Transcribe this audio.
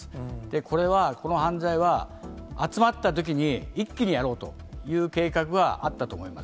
これは、この犯罪は、集まったときに一気にやろうという計画があったと思います。